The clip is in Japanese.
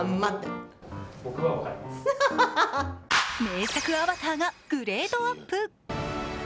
名作アバターがグレードアップ。